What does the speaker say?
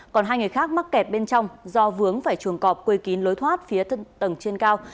còn hai người khác mắc kẹt bên trong do vướng phải chuồng cọp quây kín lối thoát phía tầng trên cao